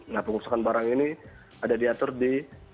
nah pengusukan barang ini ada diatur di